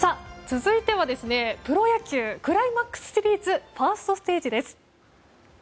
続いては、プロ野球クライマックスシリーズファーストステージです。